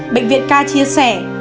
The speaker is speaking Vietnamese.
bệnh viện ca chia sẻ